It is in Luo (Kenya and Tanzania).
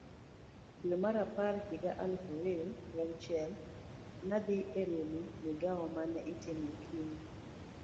Dwe mar apar higa aluf ariyo gi auchiel, nadhi eromo Migawo mane itimo okinyi.